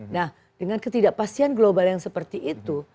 nah dengan ketidakpastian global yang seperti itu